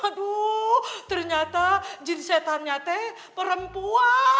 aduh ternyata jin setan nyate perempuan